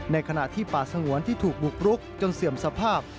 ในขณะที่ป่าสงวนที่ถูกบุกรุกจนเสื่อมสภาพ